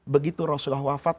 begitu rasulullah wafat